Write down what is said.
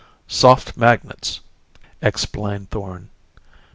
"Soft magnets," explained Thorn.